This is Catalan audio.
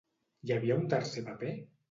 Hi havia un tercer paper?